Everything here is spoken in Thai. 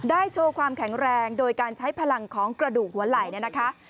โชว์ความแข็งแรงโดยการใช้พลังของกระดูกหัวไหล่เนี่ยนะคะ